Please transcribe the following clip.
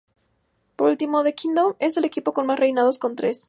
Por último, The Kingdom es el equipo con más reinados con tres.